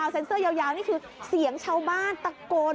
เซ็นเซอร์ยาวนี่คือเสียงชาวบ้านตะโกน